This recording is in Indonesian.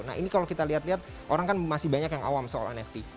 nah ini kalau kita lihat lihat orang kan masih banyak yang awam soal nft